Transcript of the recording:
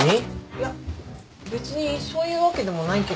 いや別にそういうわけでもないけど。